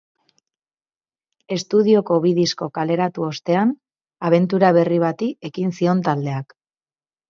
Estudioko bi disko kaleratu ostean, abentura berri bati ekin zion taldeak.